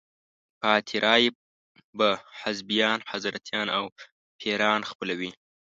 پاتې رایې به حزبیان، حضرتیان او پیران خپلوي.